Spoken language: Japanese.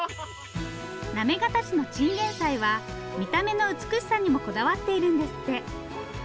行方市のチンゲンサイは見た目の美しさにもこだわっているんですって。